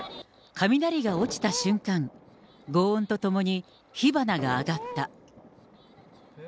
雷が落ちた瞬間、ごう音とともに火花が上がった。